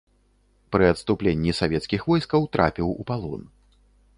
Пры адступленні савецкіх войскаў трапіў у палон.